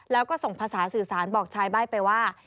แล้วก็ส่งภาษาสื่อสารบอกชายใบ้ไปว่า